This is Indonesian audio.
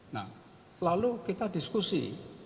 nah lalu kita diskusi